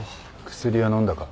薬は飲んだか？